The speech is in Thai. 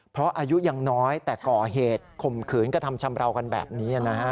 เพราะอายุยังน้อยแต่ก่อเหตุข่มขืนกระทำชำราวกันแบบนี้นะฮะ